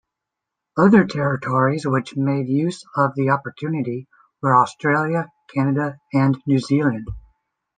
Other territories which made use of the opportunity were Australia, Canada and New Zealand.